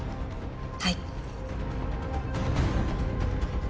はい。